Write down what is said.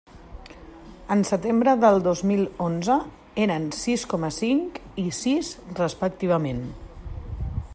En setembre del dos mil onze eren sis coma cinc i sis respectivament.